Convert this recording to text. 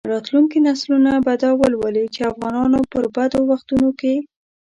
راتلونکي نسلونه به دا ولولي چې افغانانو په بدو وختونو کې.